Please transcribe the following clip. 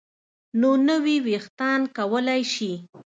نو نوي ویښتان کولی شي